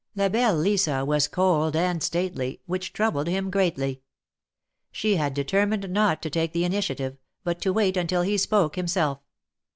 La belle Lisa was cold and stately, which troubled him greatly. She had determined not to take the initiative, but to wait until he spoke himself.